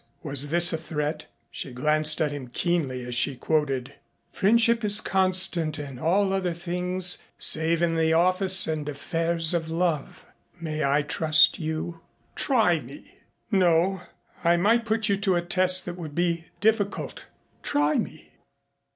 Was this a threat? She glanced at him keenly as she quoted: "'Friendship is constant in all other things save in the office and affairs of love.' May I trust you?" "Try me." "No, I might put you to a test that would be difficult." "Try me."